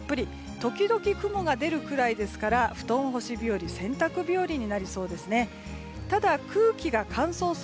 時々雲が出るぐらいですが布団干し日和、洗濯日和になりそうです。